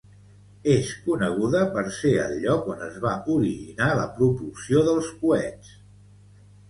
És coneguda per ser el lloc on es va originar la propulsió dels coets.